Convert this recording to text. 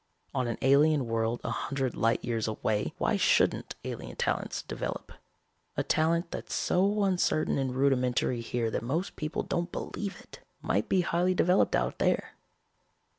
On an alien world a hundred light years away, why shouldn't alien talents develop? A talent that's so uncertain and rudimentary here that most people don't believe it, might be highly developed out there.